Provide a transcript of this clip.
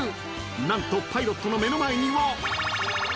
［何とパイロットの目の前にはが！］